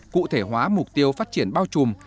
cụ thể hóa mục tiêu phát triển bao trùm